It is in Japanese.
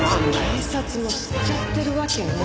警察も知っちゃってるわけね。